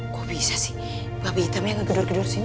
kok bisa sih babi hitamnya ngegedur gedur sini